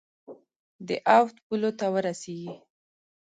د اود پولو ته ورسیږي.